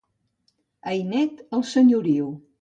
Ainet, el senyoriu.